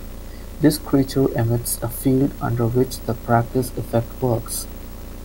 This creature emits a field under which the Practice Effect works.